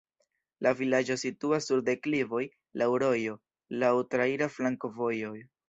La vilaĝo situas sur deklivoj, laŭ rojo, laŭ traira flankovojo.